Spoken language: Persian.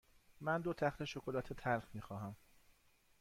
من دو تخته شکلات تلخ می خواهم.